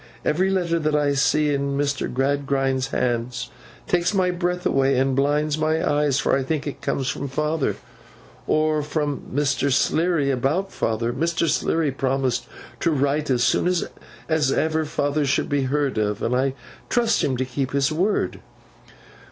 Every letter that I see in Mr. Gradgrind's hand takes my breath away and blinds my eyes, for I think it comes from father, or from Mr. Sleary about father. Mr. Sleary promised to write as soon as ever father should be heard of, and I trust to him to keep his word.